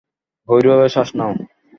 গভীরভাবে শ্বাস নাও।